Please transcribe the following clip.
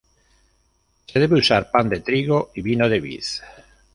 Se debe usar pan de trigo y vino de vid.